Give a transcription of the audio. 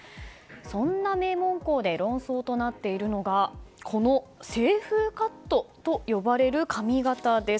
そんな名門校で論争となっているのが清風カットと呼ばれる髪形です。